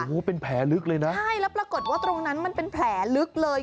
โอ้โหเป็นแผลลึกเลยนะใช่แล้วปรากฏว่าตรงนั้นมันเป็นแผลลึกเลย